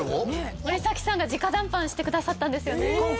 森崎さんが直談判してくださったんですよね今回？